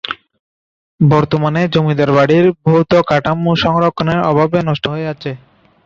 বর্তমানে জমিদার বাড়ির ভৌত কাঠামো সংরক্ষণের অভাবে নষ্ট হয়ে যাচ্ছে।